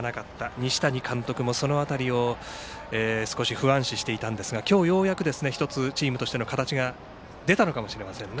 西谷監督もその辺りを少し不安視していたんですが今日ようやく１つチームとしての形が出たのかもしれませんね。